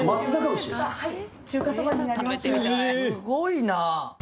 すごいな！